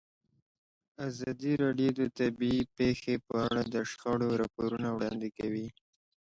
ازادي راډیو د طبیعي پېښې په اړه د شخړو راپورونه وړاندې کړي.